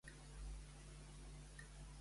Qui va obsequiar-lo a Èurit?